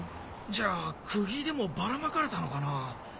じゃあクギでもばらまかれたのかなぁ。